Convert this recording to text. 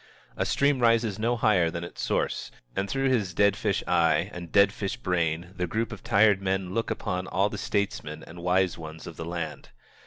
A stream rises no higher than its source, and through his dead fish eye and dead fish brain the group of tired men look upon all the statesmen and wise ones of the land.